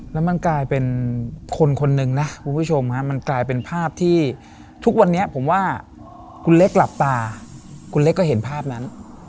แล้วมันกลายเป็นคนคนหนึ่งนะคุณผู้ชมมันกลายเป็นภาพที่ทุกวันนี้ผมว่าคุณเล็กหลับตาคุณเล็กก็เห็นภาพนั้น